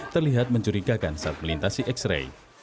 terlihat mencurigakan saat melintasi x ray